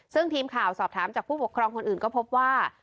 ซึ่งทีมข่าวสอบถามจากผู้ปกครองคนอื่นก็พบว่า